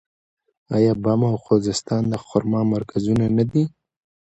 آیا بم او خوزستان د خرما مرکزونه نه دي؟